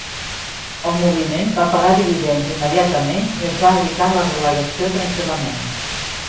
El moviment va pagar dividends immediatament i es va evitar la relegació tranquil·lament.